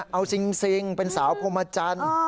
เอาจริงเป็นสาวพรมจันทร์